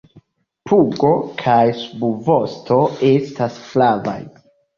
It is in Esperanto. Pugo kaj subvosto estas flavaj.